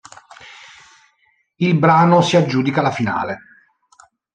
Il brano si aggiudica la finale.